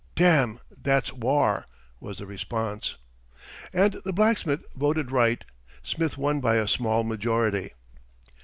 "Damn; that's waur," was the response. And the blacksmith voted right. Smith won by a small majority.